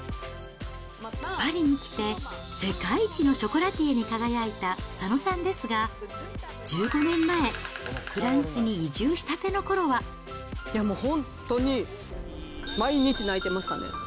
パリに来て、世界一のショコラティエに輝いた佐野さんですが、１５年前、いや、もう本当に毎日泣いてましたね。